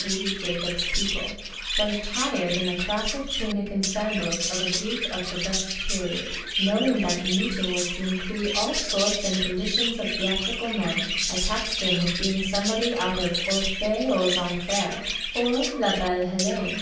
W. Jacobs's people, but attired in the classic tunic and sandals of a Greek of the best period. Knowing that the meeting was to include all sorts and conditions of theatrical men, I taxed him with being somebody out of Orjohce mtx Enfers or La Belle Ilelene.